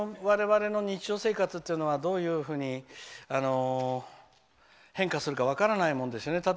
我々の日常生活っていうのはどういうふうに変化するか分からないもんですよね。